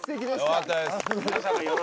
よかったです。